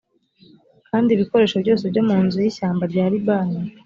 kandi ibikoresho byose byo mu nzu y ishyamba rya libani